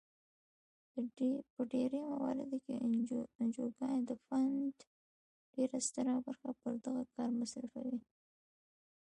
په ډیری مواردو کې انجوګانې د فنډ ډیره ستره برخه پر دغه کار مصرفوي.